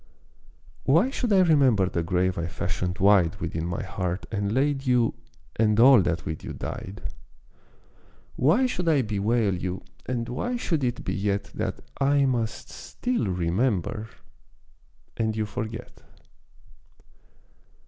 Why should I remember the grave I fashioned wide Within my heart and laid you, and all that with you died. Why should I bewail you, and why should it be yet That I must still remember and you forget!